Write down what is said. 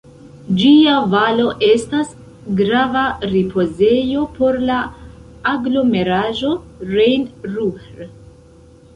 Ĝia valo estas grava ripozejo por la aglomeraĵo Rejn-Ruhr.